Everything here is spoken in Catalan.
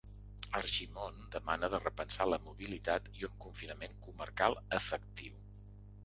Argimon demana de repensar la mobilitat i un confinament comarcal “efectiu”